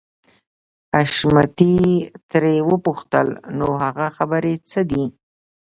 حشمتي ترې وپوښتل نو هغه خبرې څه دي.